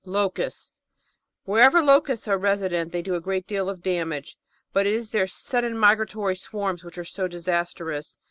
Locusts Wherever locusts are resident they do a great deal of damage, but it is their sudden migratory swarms which are so disastrous.